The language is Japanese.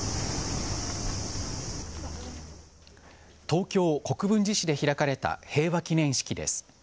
東京・国分寺市で開かれた平和祈念式です。